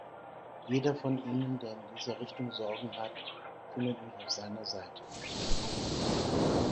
Jeder von Ihnen, der in dieser Richtung Sorgen hat, findet mich auf seiner Seite.